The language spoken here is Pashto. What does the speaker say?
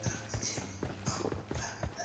هېر به مي یادونه وي له نوم او له هستۍ سره